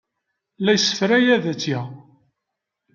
La yessefray ad tt-yaɣ.